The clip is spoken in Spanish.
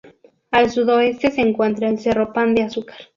Al sudoeste se encuentra el Cerro Pan de Azúcar.